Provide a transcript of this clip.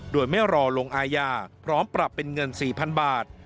โดยไม่รอลงอาญาพร้อมปรับเป็นเงิน๔๐๐๐บาท